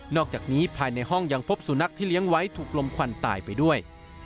อกจากนี้ภายในห้องยังพบสุนัขที่เลี้ยงไว้ถูกลมควันตายไปด้วย